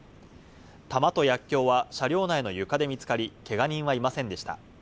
弾と薬きょうは車両内の床で見つかり、けが人はいませんでした。